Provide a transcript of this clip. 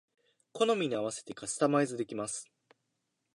好みに合わせてカスタマイズできます